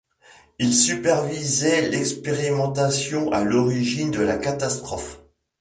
Il supervisait l'expérimentation à l'origine de la catastrophe.